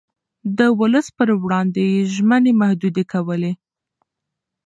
د ولس پر وړاندې يې ژمنې محدودې کولې.